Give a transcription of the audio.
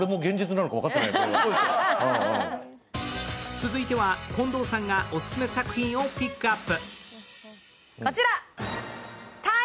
続いては近藤さんがオススメ作品をピックアップ。